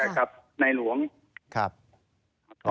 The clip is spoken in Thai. แล้วก็ทำมีเรื่องเกี่ยวกับการเงินการทอง